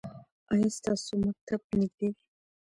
ایا ستاسو مکتب نږدې دی؟